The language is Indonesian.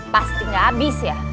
pasti gak abis ya